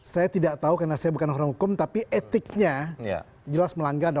saya tidak tahu karena saya bukan orang hukum tapi etiknya jelas melanggar